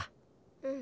うん。